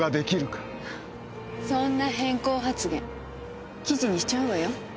そんな偏向発言記事にしちゃうわよ。